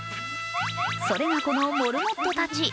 それがこのモルモットたち。